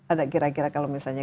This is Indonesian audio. ada kira kira kalau misalnya